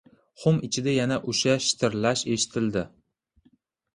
Xum ichida yana o‘sha shitirlash eshitildi.